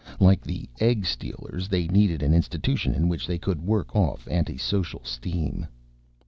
Like the egg stealers, they needed an institution in which they could work off anti social steam.